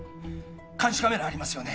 監視カメラありますよね？